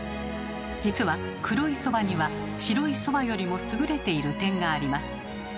実は黒いそばには白いそばよりも優れている点があります。